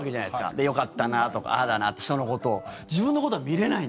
で、よかったなとかああだなって、人のことを。